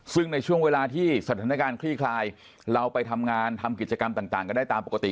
ซึ่งในช่วงเวลาที่สถานการณ์คลี่คลายเราไปทำงานทำกิจกรรมต่างกันได้ตามปกติ